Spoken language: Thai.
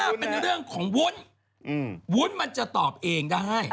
แล้วคุณได้กลิ่นอะไรมาบ้างไหม